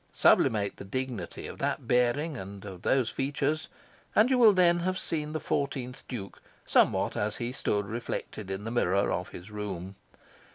Sublimate the dignity of that bearing and of those features, and you will then have seen the fourteenth Duke somewhat as he stood reflected in the mirror of his room.